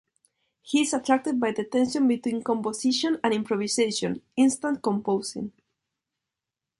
He is attracted by the tension between composition and improvisation ("instant composing").